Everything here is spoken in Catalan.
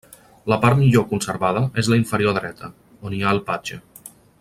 La part millor conservada és la inferior dreta, on hi ha el patge.